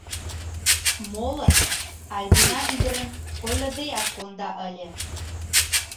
Молын Альбина ӱдырем ойлыдеак конда ыле.